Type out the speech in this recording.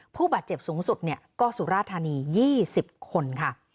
ผู้บาดเจ็บสูงสุดก็สุราธานี๒๐คนค่ะ